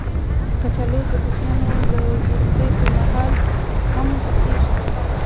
کچالو د کوچنیانو د زوکړې پر مهال هم پخېږي